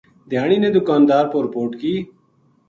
دھیانی نے دکاندار پو رپوٹ کی